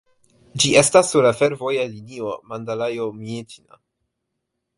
Ĝi estas sur la fervoja linio Mandalajo-Mjiĉina.